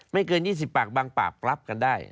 เกิน๒๐ปากบางปากรับกันได้